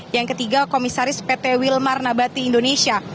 yang ketiga komisaris pt wilmar nabati indonesia